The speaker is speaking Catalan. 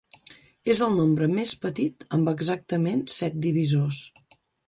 És el nombre més petit amb exactament set divisors.